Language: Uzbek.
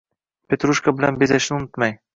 Petrushka bilan bezashni unutmang